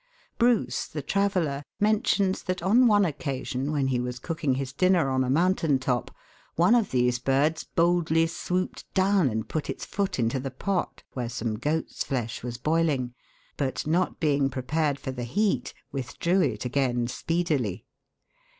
Bruce, the traveller, mentions that on one occasion when he was cook ing his dinner on a mountain top, one of these birds boldly swooped down and put its foot into the pot where some goat's flesh was boiling, but not being prepared for the heat, withdrew it again speedily.